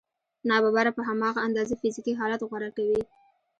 ناببره په هماغه اندازه فزيکي حالت غوره کوي.